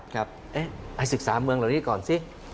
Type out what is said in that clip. ให้ศึกษาเมืองเหล่านี้ก่อนสิ